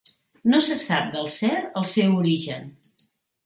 No se sap del cert el seu origen.